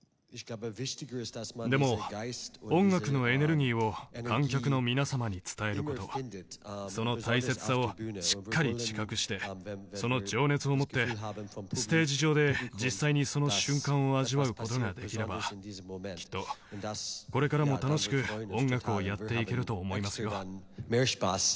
でも音楽のエネルギーを観客の皆様に伝える事その大切さをしっかり自覚してその情熱を持ってステージ上で実際にその瞬間を味わう事ができればきっとこれからも楽しく音楽をやっていけると思いますよ。